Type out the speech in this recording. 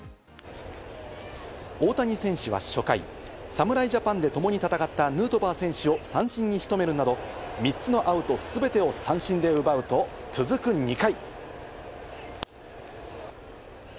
大谷選手は初回、侍ジャパンでともに戦ったヌートバー選手を三振に仕留めるなど３つのアウト全てを三振で奪うと、続く２回。